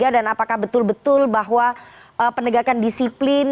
apakah betul betul bahwa penegakan disiplin